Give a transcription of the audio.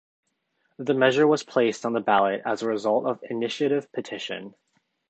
The measure was placed on the ballot as a result of initiative petition.